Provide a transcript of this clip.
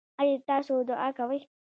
ایا تاسو دعا کوئ؟